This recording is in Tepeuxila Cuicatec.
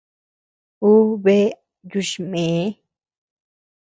Uu bea yuchmee.